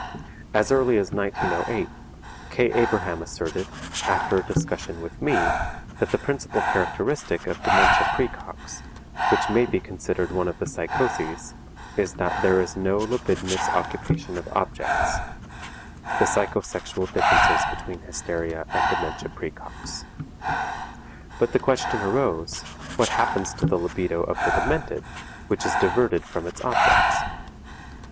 As early as 1908, K. Abraham asserted, after a discussion with me, that the principal characteristic of dementia praecox (which may be considered one of the psychoses) is that there is no libidinous occupation of objects (The Psycho sexual Differences between Hysteria and Dementia Praecox). But then the question arose, what happens to the libido of the demented, which is diverted from its objects?